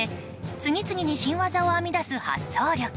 次々に新技を編み出す発想力。